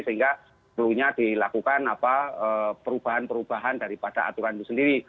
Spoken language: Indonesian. sehingga perlunya dilakukan perubahan perubahan daripada aturan itu sendiri